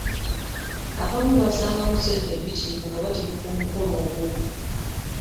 Abamu bassangamu ssente empitirivu nga bategeka omukolo ogwo.